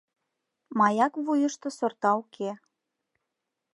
Маяк вуйышто сорта уке